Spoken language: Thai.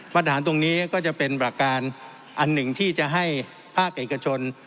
ตรฐานตรงนี้ก็จะเป็นประการอันหนึ่งที่จะให้ภาคเอกชน